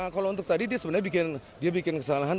kalau untuk tadi dia sebenarnya dia bikin kesalahan